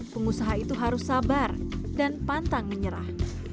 pengusaha itu harus sabar dan pantang menyerah